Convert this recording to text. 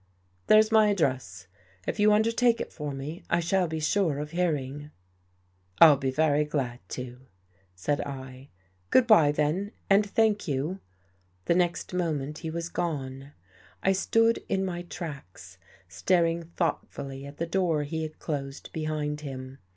There's my address. If you undertake it for me, I shall be sure of hearing." " I'll be very glad to," said I. ''Good by, then; and thank you." The next moment he was gone. I stood in my tracks, staring thoughtfully at the door he had closed behind him.